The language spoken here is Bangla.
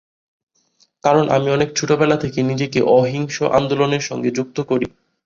কারণ আমি অনেক ছোটবেলা থেকে নিজেকে অহিংস আন্দোলনের সঙ্গে যুক্ত করি।